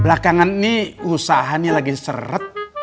belakangan ini usaha ini lagi seret